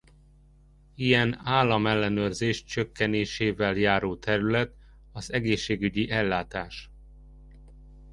Ilyen állam ellenőrzés csökkenésével járó terület az egészségügyi ellátás.